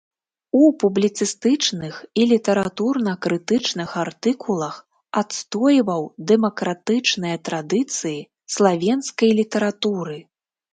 У публіцыстычных і літаратурна-крытычных артыкулах адстойваў дэмакратычныя традыцыі славенскай літаратуры.